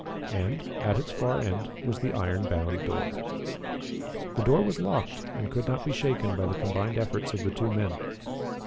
And, at its far end, was the iron bound door. The door was locked and could not be shaken by the combined efforts of the two men.